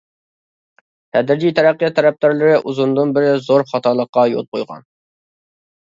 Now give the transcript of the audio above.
تەدرىجىي تەرەققىيات تەرەپدارلىرى ئۇزۇندىن بېرى زور خاتالىققا يول قويغان.